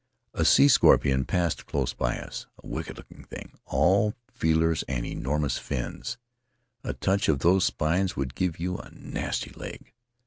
A sea scorpion passed close by us — a wicked looking thing, all feelers and enormous fins; a touch of those spines would give you a nasty leg.